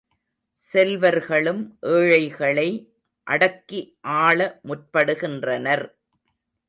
செல்வர்களும் ஏழைகளை அடக்கி ஆள முற்படுகின்றனர்.